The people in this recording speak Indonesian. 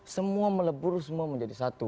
semua melebur semua menjadi satu